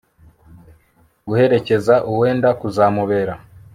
guherekeza uwenda kuzamubera